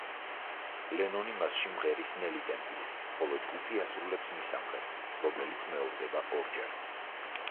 ლენონი მასში მღერის ნელი ტემპით, ხოლო ჯგუფი ასრულებს მისამღერს, რომელიც მეორდება ორჯერ.